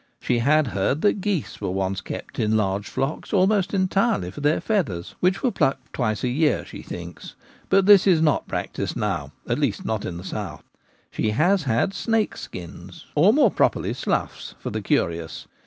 She has heard that geese were once kept in large flocks almost entirely for their feathers, which were plucked twice a year, she thinks ; but this 28 The Gamekeeper at Home. is not practised now, at least not in the south. She has had snakes' skins, or more properly sloughs, for the curious.